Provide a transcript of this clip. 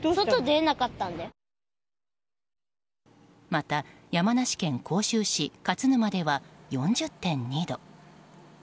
また、山梨県甲州市勝沼では４０．２度。